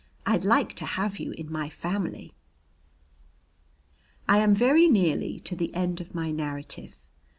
I'd like to have you in my family." I am very nearly to the end of my narrative.